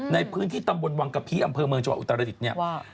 ในพื้นที่ตำบลวังกะพีอำเภอเมืองจัวร์อุตรรศิลป์